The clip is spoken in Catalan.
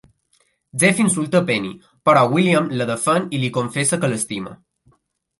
Jeff insulta Penny, però William la defèn i li confessa que l'estima.